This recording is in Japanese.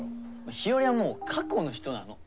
日和はもう過去の人なの。